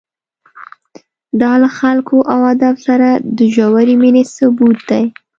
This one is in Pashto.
دا له خلکو او ادب سره د ژورې مینې ثبوت دی.